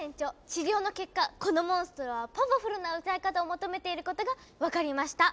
治療の結果このモンストロはパワフルな歌い方を求めていることがわかりました！